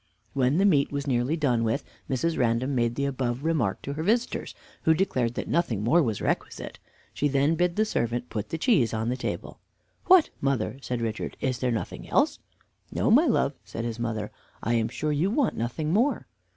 When the meat was nearly done with, Mrs. Random made the above remark to her visitors, who declared that nothing more was requisite. She then bid the servant put the cheese on the table. "What, mother," said Richard, "is there nothing else?" "No, my love," said his mother; "I am sure you want nothing more."